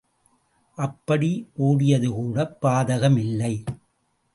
அப்படி ஓடியதுகூடப் பாதகம் இல்லை.